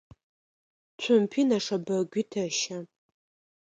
Цумпи нэшэбэгуи тэщэ.